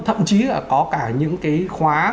thậm chí là có cả những cái khóa